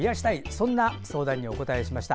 そんな相談にお答えしました。